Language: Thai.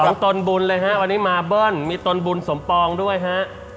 ตนบุญเลยฮะวันนี้มาเบิ้ลมีตนบุญสมปองด้วยฮะ